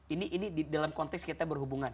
ini dalam konteks kita berhubungan